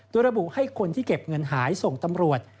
โดยระบุให้คนที่เก็บเงินหายส่งตำรวจ